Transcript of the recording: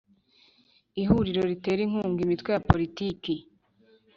Ihuriro ritera inkunga Imitwe ya Politiki